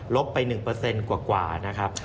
ไป๑กว่านะครับ